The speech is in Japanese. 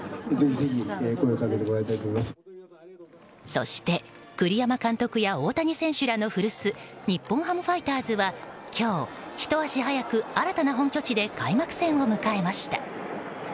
そして栗山監督や大谷選手らの古巣、日本ハムファイターズは今日、ひと足早く新たな本拠地で開幕戦を迎えました。